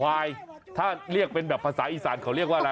วายถ้าเรียกเป็นแบบภาษาอีสานเขาเรียกว่าอะไร